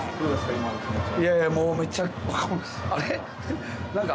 今の気持ちは」